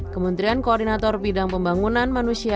kementerian koordinator bidang pembangunan manusia